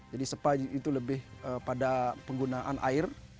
jadi spa itu lebih pada penggunaan air